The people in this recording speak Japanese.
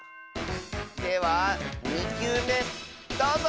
では２きゅうめどうぞ！